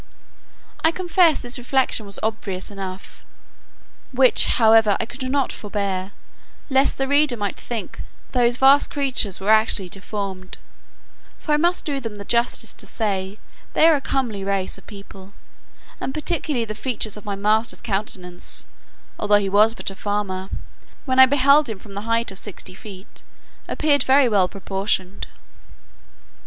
I confess this reflection was obvious enough; which, however, I could not forbear, lest the reader might think those vast creatures were actually deformed: for I must do them the justice to say, they are a comely race of people, and particularly the features of my master's countenance, although he was but a farmer, when I beheld him from the height of sixty feet, appeared very well proportioned.